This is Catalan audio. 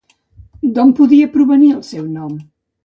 D'on podria provenir el seu nom?